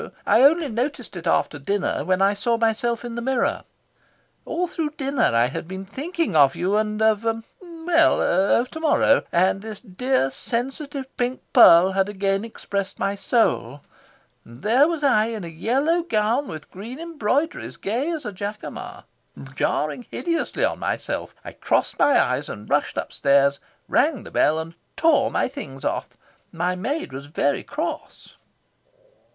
I only noticed it after dinner, when I saw myself in the mirror. All through dinner I had been thinking of you and of well, of to morrow. And this dear sensitive pink pearl had again expressed my soul. And there was I, in a yellow gown with green embroideries, gay as a jacamar, jarring hideously on myself. I covered my eyes and rushed upstairs, rang the bell and tore my things off. My maid was very cross."